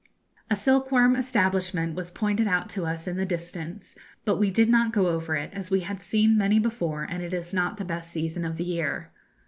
A silkworm establishment was pointed out to us in the distance, but we did not go over it, as we had seen many before, and it is not the best season of the year.